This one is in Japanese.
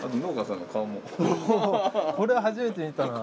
これは初めて見たなあ。